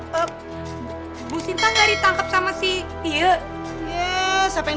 maksudnya gue ngasih si w bestimm